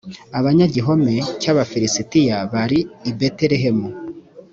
abanyagihome cy abafilisitiya bari i betelehemu